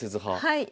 はい。